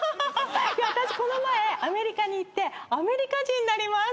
私この前アメリカに行ってアメリカ人になりました。